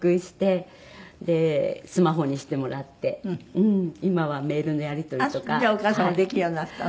スマホにしてもらって今はメールのやり取りとか。じゃあお母様はできるようになったの？